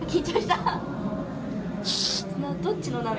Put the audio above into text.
どっちの涙？